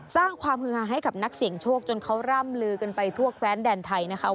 สร้างความฮือหาให้กับนักเสี่ยงโชคจนเขาร่ำลือกันไปทั่วแว้นแดนไทยนะคะ